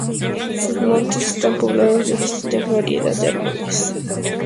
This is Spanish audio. Sus montes están poblados de distintas variedad arbóreas, destacando el pino y las sabinas.